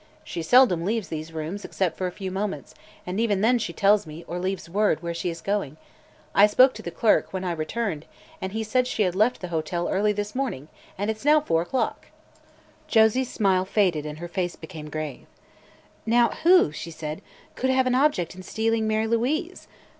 She seldom leaves these rooms, except for a few moments, and even then she tells me, or leaves word, where she is going. I spoke to the clerk, when I returned, and he said she had left the hotel early this morning, and it's now four o'clock." Josie's smile faded and her face became grave. "Now, who," she said, "could have an object in stealing Mary Louise?